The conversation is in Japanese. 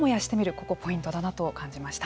ここポイントだなと感じました。